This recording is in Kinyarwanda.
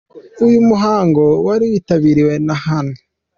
Uyu muhango wari witabiriwe na Hon.